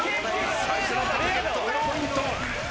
最初のターゲット０ポイント。